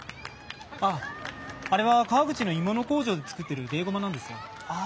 あああれは川口の鋳物工場で作ってるベイゴマなんですよ。